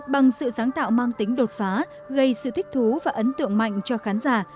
bằng sự sáng tạo mang tính đột phá gây sự thích thú và ấn tượng mạnh cho khán giả